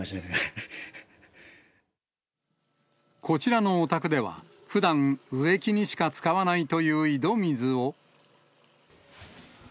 こちらのお宅では、ふだん、植木にしか使わないという井戸水を。